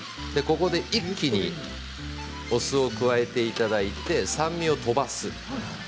ここで一気にお酢を加えていただいて酸味を飛ばす。